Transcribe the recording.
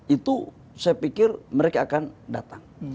itu saya pikir mereka akan datang